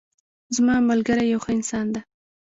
زما ملګری یو ښه انسان ده